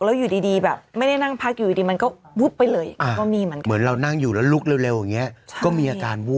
และอยู่ดีแบบไม่ได้นั่งพักอยู่อีกดี